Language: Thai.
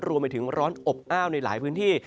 รวมไปถึงร้อนอบอ้าวในหลายพื้นที่